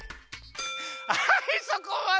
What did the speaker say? はいそこまで！